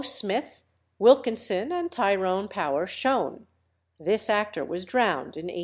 Smith, Wilkinson, and Tyrone Power shone (this actor was drowned in 1841).